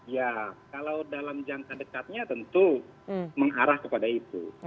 ya kalau dalam jangka dekatnya tentu mengarah kepada itu